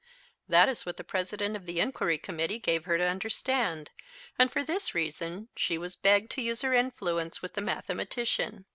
That is what the President of the Inquiry Committee gave her to understand, and for this reason she was begged to use her influence with the mathematician.